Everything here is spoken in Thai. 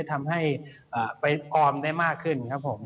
ทำให้ไปออมได้มากขึ้น